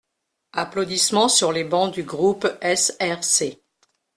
(Applaudissements sur les bancs du groupe SRC).